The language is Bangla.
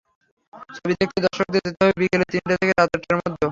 ছবি দেখতে দর্শকদের যেতে হবে বিকেল তিনটা থেকে রাত আটটার মধ্যে।